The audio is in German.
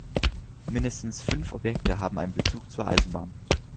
Mindestens fünf Objekte haben einen Bezug zur Eisenbahn.